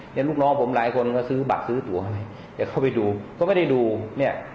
ลูกน้องผมหลายคนก็ซื้อบัตรซื้อตัวให้แต่เข้าไปดูก็ไม่ได้ดูเนี่ย